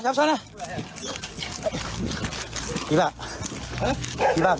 เจ้าแม่น้ำเจ้าแม่น้ำ